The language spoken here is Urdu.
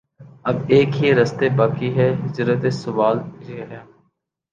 اب ایک ہی راستہ باقی ہے: ہجرت سوال یہ ہے